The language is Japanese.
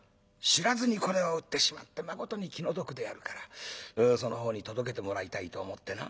知らずにこれを売ってしまってまことに気の毒であるからそのほうに届けてもらいたいと思ってな」。